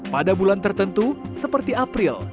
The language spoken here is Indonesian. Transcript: pada bulan tertentu seperti april